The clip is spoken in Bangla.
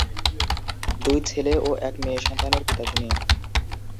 দুই ছেলে ও এক মেয়ে সন্তানের পিতা তিনি।